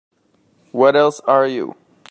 What else are you?